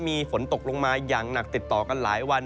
มีฝนตกลงมาอย่างหนักติดต่อกันหลายวัน